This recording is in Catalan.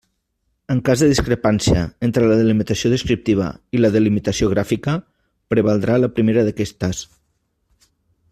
En cas de discrepància entre la delimitació descriptiva i la delimitació gràfica, prevaldrà la primera d'aquestes.